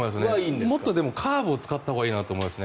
でももっとカーブを使ったほうがいいと思います。